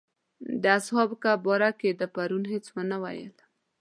د اصحاب کهف باره کې دې پرون هېڅ ونه ویل.